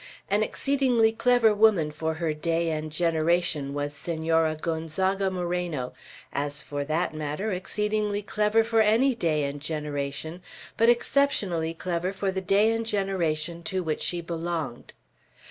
An exceedingly clever woman for her day and generation was Senora Gonzaga Moreno, as for that matter, exceedingly clever for any day and generation; but exceptionally clever for the day and generation to which she belonged.